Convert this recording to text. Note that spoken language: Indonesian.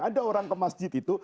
ada orang ke masjid itu